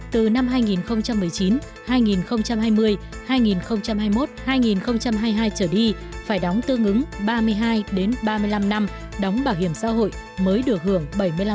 từ năm hai nghìn một mươi chín hai nghìn hai mươi hai nghìn hai mươi một hai nghìn hai mươi hai trở đi phải đóng tương ứng ba mươi hai đến ba mươi năm năm đóng bảo hiểm xã hội mới được hưởng bảy mươi năm